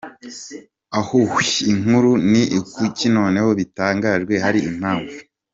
Ahubwi inkuru: ni kuki noneho bitangajwe? Har impamvu.